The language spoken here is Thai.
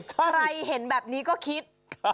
ใครเห็นแบบนี้ก็คิด